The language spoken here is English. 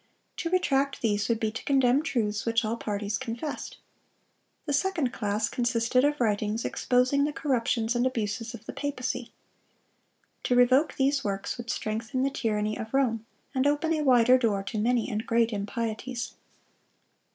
To retract these would be to condemn truths which all parties confessed. The second class consisted of writings exposing the corruptions and abuses of the papacy. To revoke these works would strengthen the tyranny of Rome, and open a wider door to many and great impieties.